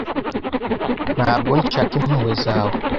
Ntabwo nshaka impuhwe zawe.